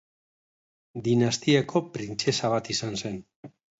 Dinastiako printzesa bat izan zen.